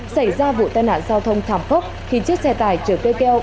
xảy ra vụ tai nạn giao thông thảm khốc khi chiếc xe tải trở cây keo